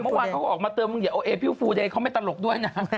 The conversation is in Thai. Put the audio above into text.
ไม่หักไม่เกิดตายแต่ดังนี้นางฟันก็สวย